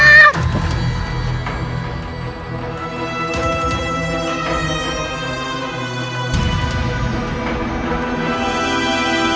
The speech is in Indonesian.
sukeeper kelompok sudah dihidupkan